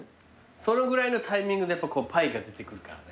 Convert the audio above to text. そのぐらいのタイミングでやっぱこうパイが出てくるから。